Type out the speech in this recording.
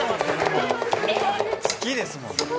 突きですもんね。